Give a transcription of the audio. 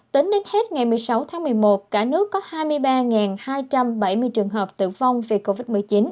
tính đến hết ngày một mươi sáu tháng một mươi một cả nước có hai mươi ba hai trăm bảy mươi trường hợp tử vong vì covid một mươi chín